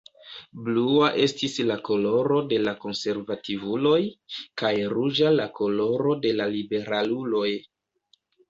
Blua estis la koloro de la konservativuloj, kaj ruĝa la koloro de la liberaluloj.